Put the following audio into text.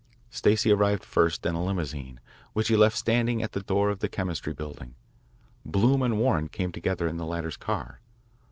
Stacey arrived first in a limousine which he left standing at the door of the Chemistry Building. Bloom and Warren came together in the latter's car.